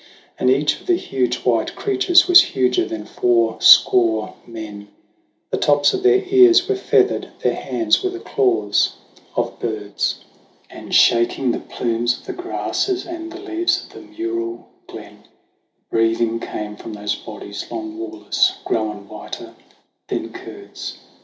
And each of the huge white creatures was huger than fourscore men ; The tops of their ears were feathered, their hands were the claws of birds, And, shaking the plumes of the grasses and the leaves of the mural glen, The breathing came from those bodies, long warless, grown whiter than curds.